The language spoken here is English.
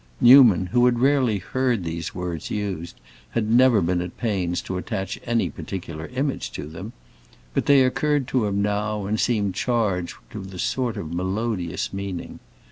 Newman, who had rarely heard these words used, had never been at pains to attach any particular image to them; but they occurred to him now and seemed charged with a sort of melodious meaning.